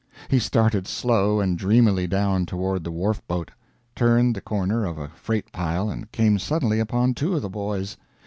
He started slow and dreamily down toward the wharf boat; turned the corner of a freight pile and came suddenly upon two of the boys.